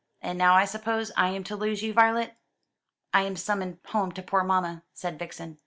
And now I suppose I am to lose you, Violet?" "I am summoned home to poor mamma," said Vixen.